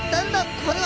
これは。